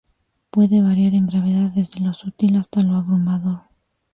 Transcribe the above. Puede variar en gravedad desde lo sutil hasta lo abrumador.